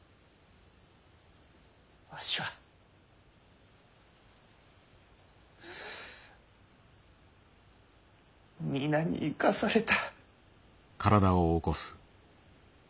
わしは皆に生かされた。